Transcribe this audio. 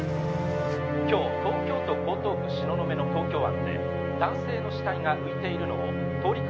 「今日東京都江東区東雲の東京湾で男性の死体が浮いているのを通りかかった」